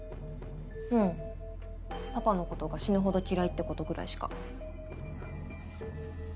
うんパパのことが死ぬほど嫌いってことぐらいしか。